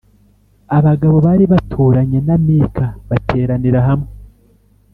abagabo bari baturanye na Mika bateranira hamwe